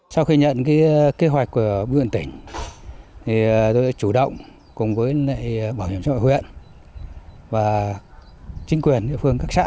sau khi nhận kế hoạch của bùi điện huyện tỉnh tôi đã chủ động cùng bảo hiểm xã hội huyện và chính quyền địa phương các xã